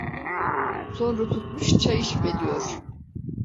Sonra tutmuş "çay içme!" diyor.